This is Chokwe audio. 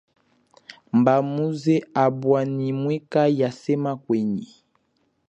Mba muze habwa ni mwika yasema kwenyi.